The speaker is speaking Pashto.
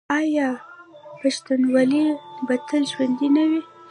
آیا پښتونولي به تل ژوندي نه وي؟